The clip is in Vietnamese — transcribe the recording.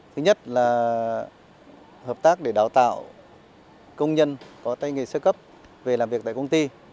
thứ nhất là hợp tác để đào tạo công nhân có tay nghề sơ cấp về làm việc tại công ty